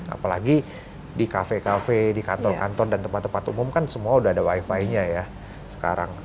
apalagi di kafe kafe di kantor kantor dan tempat tempat umum kan semua sudah ada wifi nya ya sekarang